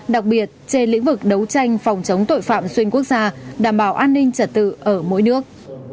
đặc biệt trên lĩnh vực đấu tranh phòng chống tội phạm xuyên quốc gia đảm bảo an ninh trật tự ở mỗi nước